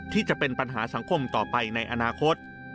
จะเป็นปัญหาสังคมต่อไปในอนาคต